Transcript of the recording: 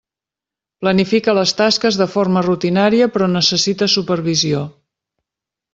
Planifica les tasques de forma rutinària però necessita supervisió.